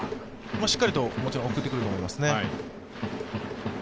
しっかりともちろん送ってくると思いますね。